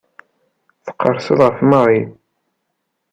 Tqerrseḍ ɣef Mary.